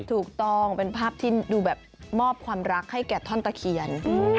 ถูกต้องเป็นภาพที่ดูแบบมอบความรักให้แก่ท่อนตะเคียน